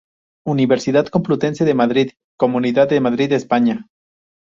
Universidad Complutense de Madrid, Comunidad de Madrid España.